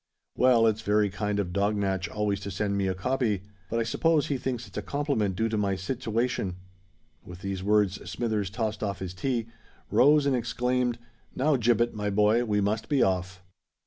Well—it's very kind of Dognatch always to send me a copy: but I suppose he thinks it's a compliment due to my sitiwation." With these words Smithers tossed off his tea, rose, and exclaimed, "Now, Gibbet, my boy, we must be off."